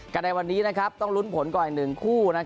ในวันนี้ต้องลุ้นผลก่อนอีก๑คู่